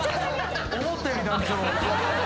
思ったより団長。